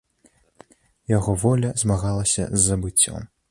Яго воля змагалася з забыццём.